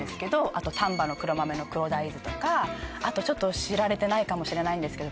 あと丹波の黒豆の黒大豆とかあとちょっと知られてないかもしれないんですけど